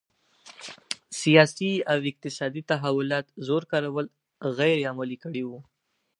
سیاسي او اقتصادي تحولات زور کارول غیر عملي کړي وو.